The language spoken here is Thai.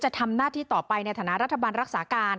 ทำหน้าที่ต่อไปในฐานะรัฐบาลรักษาการ